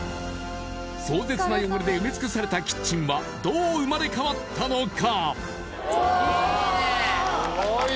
壮絶な汚れで埋め尽くされたキッチンはどう生まれ変わったのか？